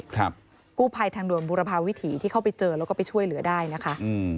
กู้ภัยทางด่วนบุรพาวิถีที่เข้าไปเจอแล้วก็ไปช่วยเหลือได้นะคะอืม